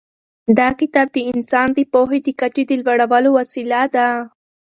دا کتاب د انسان د پوهې د کچې د لوړولو وسیله ده.